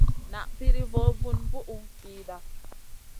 Na piri vo vun bùhʼu pida.